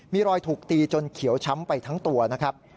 มีรอยถูกตีจนเขียวช้ำไปทั้งตัวนะครับ